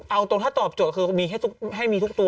เอาตรงถ้าตอบโจทย์คือมีให้มีทุกตัว